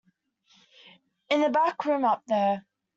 In the back room up there.